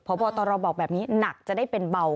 เพราะตอนเราบอกแบบนี้หนักจะได้เป็นเบา